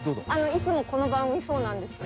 いつもこの番組そうなんですよ。